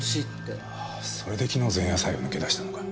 それで昨日前夜祭を抜け出したのか。